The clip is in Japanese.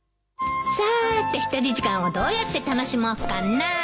さて一人時間をどうやって楽しもうかな。